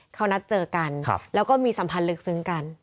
เขานัดเจอกันแล้วก็มีสัมพันธ์ลึกซึ้งกัน